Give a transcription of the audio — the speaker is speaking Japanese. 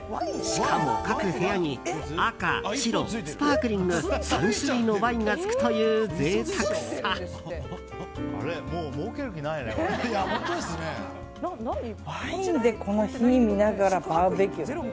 しかも各部屋に赤、白スパークリング３種類のワインが付くというワインでこの火を見ながらバーベキュー。